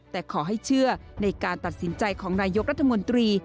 แต่ขอให้เชื่อในการตัดสินใจของนายกรัฐมนตรี